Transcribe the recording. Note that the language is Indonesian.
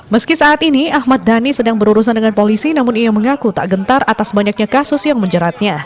meski saat ini ahmad dhani sedang berurusan dengan polisi namun ia mengaku tak gentar atas banyaknya kasus yang menjeratnya